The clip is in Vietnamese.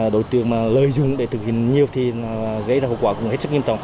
đối tượng mà lợi dụng để thực hiện nhiều thì gây ra hậu quả cũng hết sức nghiêm trọng